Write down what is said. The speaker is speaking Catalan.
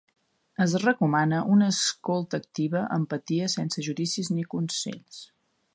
Es recomana una escolta activa, empatia, sense judicis ni consells.